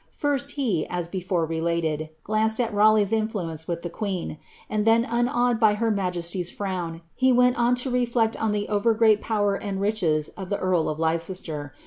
First, he, as before related, glanced at Raleigh's influence with the queen, and theo unawed by her majesty's frown, he went on to reflect on the over great power and riches of the earl of Leicester